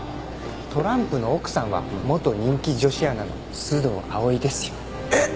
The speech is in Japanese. トランプの奥さんは元人気女子アナの須藤碧ですよ。えっ！？